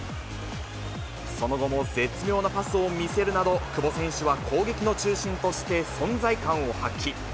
その後も絶妙なパスを見せるなど、久保選手は攻撃の中心として存在感を発揮。